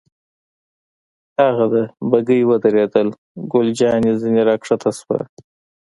هاغه ده، بګۍ ودرېدل، ګل جانې ځنې را کښته شوه.